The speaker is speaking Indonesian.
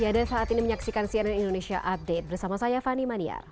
ya dan saat ini menyaksikan cnn indonesia update bersama saya fani maniar